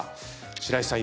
白石さん